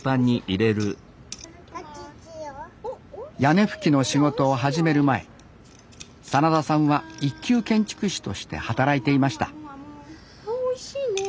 屋根葺きの仕事を始める前真田さんは一級建築士として働いていましたああおいしいね。